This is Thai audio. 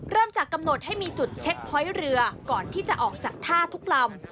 จากกำหนดให้มีจุดเช็คพอยต์เรือก่อนที่จะออกจากท่าทุกลำ